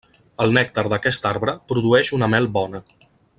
El nèctar d'aquest arbre produeix una mel bona.